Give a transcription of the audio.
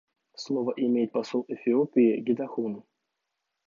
Слово имеет посол Эфиопии Гетахун.